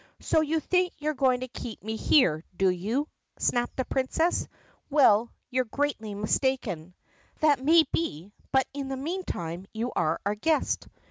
"So you think you're going to keep me here, do you?" snapped the Princess. "Well, you 're greatly mistaken." "That may be but in the meantime you are our guest."